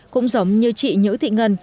cũng giống như chị nhữ thị ngân